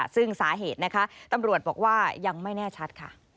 ซึ่งสาเหตุนะคะตำรวจบอกว่ายังไม่แน่ชัดค่ะ